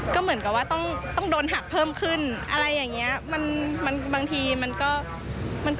ก็เหมือนกับว่าต้องโดนหักเพิ่มขึ้น